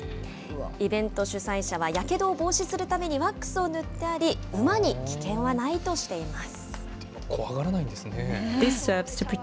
イベント主催者はやけどを防止するためにワックスを塗ってあり、馬に危険はないとしています。